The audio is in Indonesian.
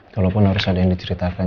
kalaupun harus ada yang diceritakan